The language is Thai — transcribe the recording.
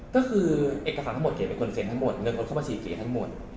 ก็คือเอกสารทั้งหมดเก๋เป็นคนเซ็นทั้งหมดเงินเอาเข้าบัญชีเก๋ทั้งหมด